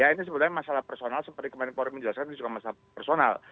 ini sebenarnya masalah personal seperti kemarin polri menjelaskan ini juga masalah personal